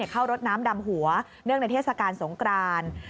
รดน้ำดำหัวเนื่องในเทศกาลสงคราน